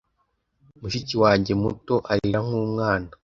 Mushiki wanjye muto arira nkumwana.